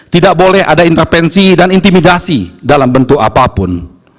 tidak boleh ada intervensi dan intimidasi dalam bentuk apapun